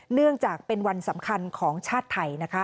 เนื่องจากเป็นวันสำคัญของชาติไทยนะคะ